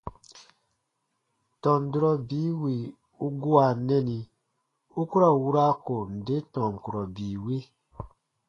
Tɔn durɔ bii wì u gua nɛni u ku ra wura ko nde tɔn kurɔ bii wi.